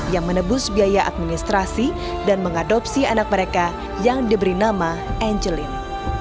yang menebus biaya administrasi dan mengadopsi anak mereka yang diberi nama angelin